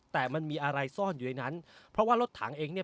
แต่มันมีอะไรซ่อนอยู่ในนั้นเพราะว่ารถถังเองเนี่ย